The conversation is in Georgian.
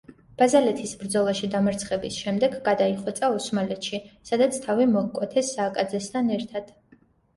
ბაზალეთის ბრძოლაში დამარცხების შემდეგ გადაიხვეწა ოსმალეთში, სადაც თავი მოჰკვეთეს სააკაძესთან ერთად.